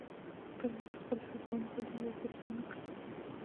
• که ته خپله هڅه ونه کړې، ژوند به درته څه ونه کړي.